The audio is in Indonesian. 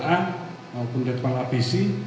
a maupun depan abc